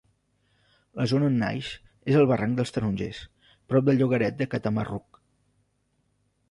La zona on naix és al Barranc dels Tarongers prop del llogaret de Catamarruc.